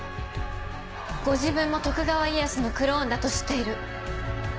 ご自分も徳川家康のクローンだと知っている。